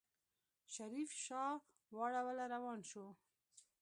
شريف شا واړوله روان شو.